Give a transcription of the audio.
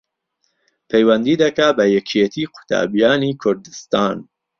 پەیوەندی دەکا بە یەکێتی قوتابیانی کوردستان